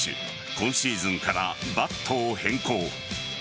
今シーズンからバットを変更。